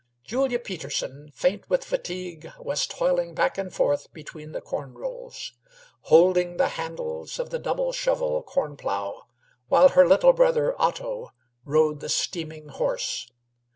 Julia Peterson, faint with hunger, was tolling back and forth between the corn rows, holding the handles of the double shovel corn plough, while her little brother Otto rode the steaming horse.